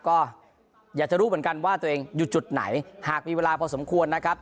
ก็อยากจะรู้เหมือนกันว่าตัวเองอยู่จุดไหนหากมีเวลาพอสมควรนะครับ